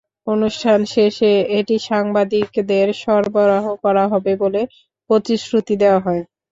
অনুষ্ঠান শেষে এটি সাংবাদিকদের সরবরাহ করা হবে বলে প্রতিশ্রুতিও দেওয়া হয়।